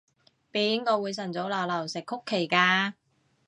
邊個會晨早流流食曲奇㗎？